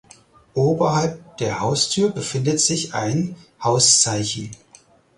Oberhalb der Haustür befindet sich ein Hauszeichen.